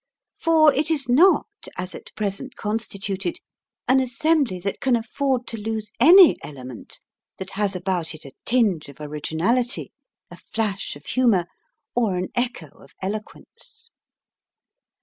For it is not, as at present constituted, an assembly that can afford to lose any element that has about it a tinge of originality, a flash of humour, or an echo of eloquence.